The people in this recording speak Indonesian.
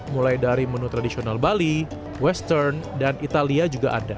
mulai dari menu tradisional bali western dan italia juga ada